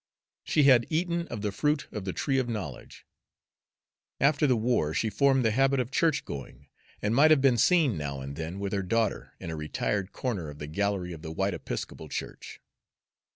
She had eaten of the fruit of the Tree of Knowledge. After the war she formed the habit of church going, and might have been seen now and then, with her daughter, in a retired corner of the gallery of the white Episcopal church.